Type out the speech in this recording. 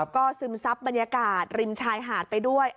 ก็ซึมซับบรรยากาศริมชายหาดไปด้วย